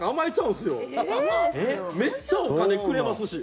めっちゃお金くれますし。